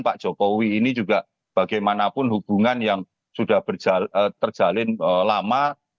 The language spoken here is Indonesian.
pak jokowi ini juga bagaimanapun hubungan yang sudah terjalin lama